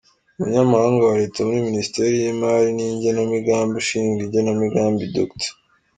Umunyamabanga wa Leta muri Minisiteri y’imari n’igenamigambi, ushinzwe igenamigambi Dr.